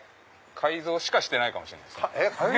改造しかしてないかもしれないです。